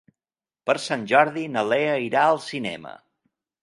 Per Sant Jordi na Lea irà al cinema.